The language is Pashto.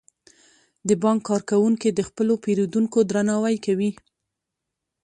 د بانک کارکوونکي د خپلو پیرودونکو درناوی کوي.